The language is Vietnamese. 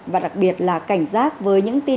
và đặc biệt là cảnh giác với những người dân